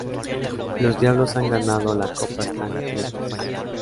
Los diablos han ganado la Copa Stanley tres veces.